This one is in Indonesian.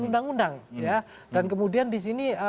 dan kemudian disini